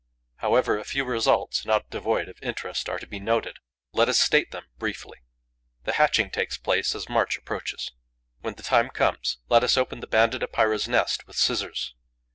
However, a few results, not devoid of interest, are to be noted. Let us state them briefly. The hatching takes place as March approaches. When this time comes, let us open the Banded Epeira's nest with the scissors.